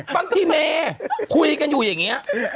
บางทีเมย์คุยกันอยู่อย่างนี้